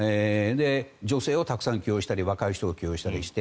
女性をたくさん起用したり若い人を起用したりして。